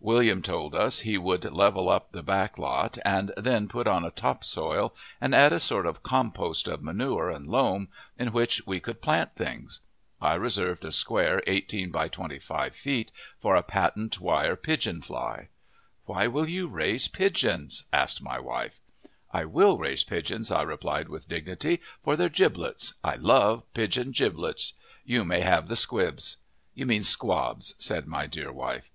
William told us he would level up the back lot and then put on a top soil and add a sort of compost of manure and loam, in which we could plant things. I reserved a square 18 by 25 feet for a patent wire pigeon fly. "Why will you raise pigeons?" asked my wife. "I will raise pigeons," I replied with dignity, "for their giblets. I love pigeon giblets. You may have the squibs." "You mean squabs," said my wife.